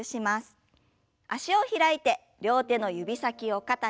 脚を開いて両手の指先を肩に。